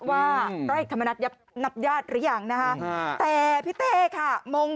ว่าร้อยเอกธรรมนัฐนับญาติหรือยังนะคะแต่พี่เต้ค่ะมง